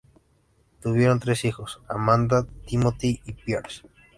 Tuvieron tres hijos, Amanda, Timothy y Piers.